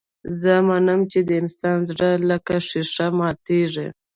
زه منم چې د انسان زړه لکه ښيښه ماتېږي.